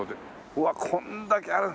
うわこんだけある。